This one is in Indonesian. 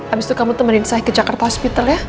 abis itu kamu temenin saya ke jakarta hospital ya